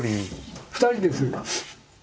２人です。